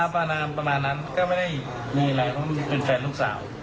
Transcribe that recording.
ประมาณนั้นก็ไม่ได้มีอะไรเพราะเป็นแฟนลูกสาว